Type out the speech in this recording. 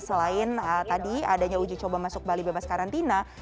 selain tadi adanya uji coba masuk bali bebas karantina